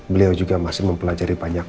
beliau juga masih mempelajari banyak